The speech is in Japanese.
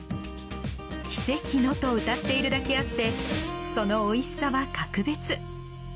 「奇跡の」とうたっているだけあってそのおいしさは格別。